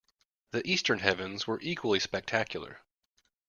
The eastern heavens were equally spectacular.